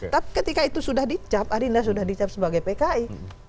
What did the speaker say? tapi ketika itu sudah dicap adinda sudah dicap sebagai pki